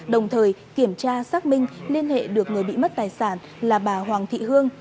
đồng thời kiểm tra xác minh liên hệ được người bị mất tài sản là bà hoàng thị hương